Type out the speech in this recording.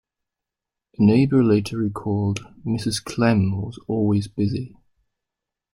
A neighbor later recalled: Mrs. Clemm was always busy.